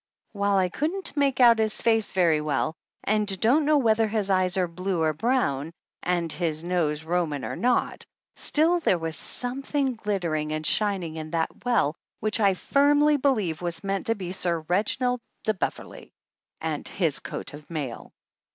While I couldn't make out his face very well and don't know whether his eyes are blue or brown, and his nose Roman or 175 THE ANNALS OF ANN not, still there was something glittering and shining in that well which I firmly believe was meant to be Sir Reginald de Beverley and his coat of mail!